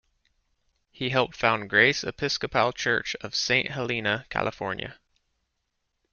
He helped found Grace Episcopal Church of Saint Helena, California.